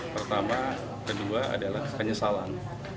pertama kedua adalah penyesalan